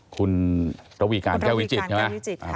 คุณระวีการแก้ววิจิตใช่ไหม